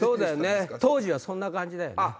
当時はそんな感じだよね。